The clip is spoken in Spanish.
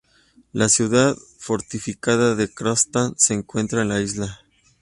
La ciudad fortificada de Kronstadt se encuentra en la isla.